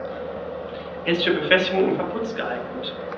Er ist für Befestigung im Verputz geeignet.